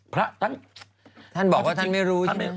พระท่านบอกว่าท่านไม่รู้ใช่ไหม